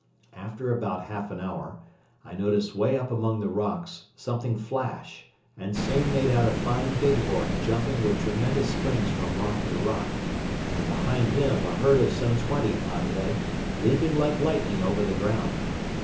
After about half an hour I noticed way up among the rocks something flash and soon made out a fine bighorn jumping with tremendous springs from rock to rock, and behind him a herd of some twenty odd head leaping like lightning over the ground.